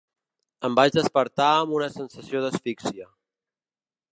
Em vaig despertar amb una sensació d'asfixia.